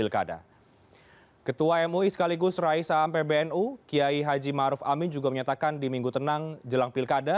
ketua mui sekaligus raisa am pbnu kiai haji maruf amin juga menyatakan di minggu tenang jelang pilkada